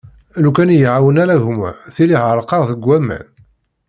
Lukan ur y-iεawen ara gma tili ɣerqeɣ deg aman.